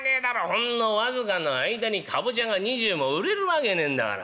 ほんの僅かの間にかぼちゃが２０も売れるわけねえんだから。何が？